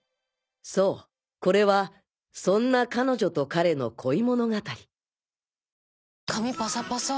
そうこれはそんな彼女と彼の恋物語髪パサパサ。